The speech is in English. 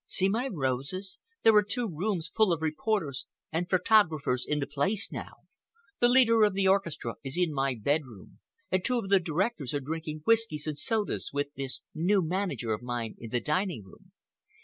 See my roses. There are two rooms full of reporters and photographers in the place now. The leader of the orchestra is in my bedroom, and two of the directors are drinking whiskies and sodas with this new manager of mine in the dining room.